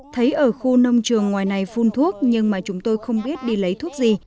thấy ở khu nông trường ngoài này phun thuốc nhưng mà chúng tôi không biết đi lấy thuốc gì